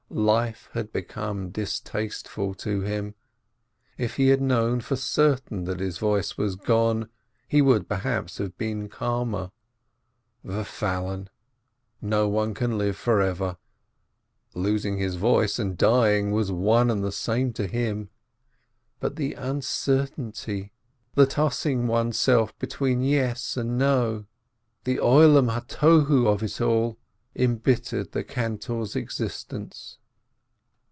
Life had become distasteful to him. If he had known for certain that his voice was gone, he would perhaps have been calmer. Ver f alien ! No one can live forever (losing his voice and dying was one and the same to him), but the uncer tainty, the tossing oneself between yes and no, the Oloni ha Tohu of it all, embittered the cantor's existence.